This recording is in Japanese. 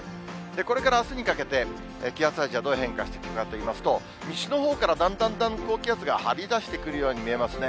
これからあすにかけて、気圧配置がどう変化していくかといいますと、西のほうからだんだんだんだん高気圧が張り出してくるように見えますね。